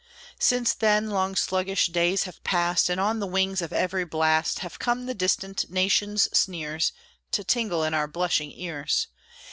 Since then long sluggish days have passed, And on the wings of every blast Have come the distant nations' sneers To tingle in our blushing ears.